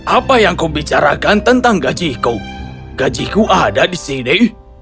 apa yang kau bicarakan tentang gaji suamiku gaji suamiku ada di sini